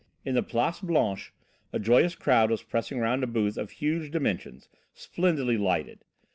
In the Place Blanche a joyous crowd was pressing round a booth of huge dimensions, splendidly lighted.